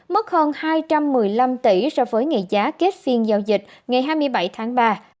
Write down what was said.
mức hơn hai trăm một mươi năm tỷ so với ngày giá kết phiên giao dịch ngày hai mươi bảy tháng ba